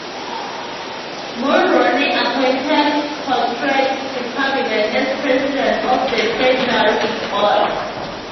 Mulroney appointed Cotret to Cabinet as President of the Treasury Board.